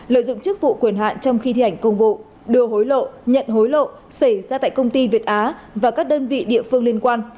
lợi dụng chức vụ quyền hạn trong khi thi hành công vụ đưa hối lộ nhận hối lộ xảy ra tại công ty việt á và các đơn vị địa phương liên quan